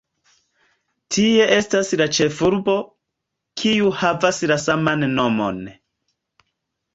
Tie estas la ĉefurbo, kiu havas la saman nomon.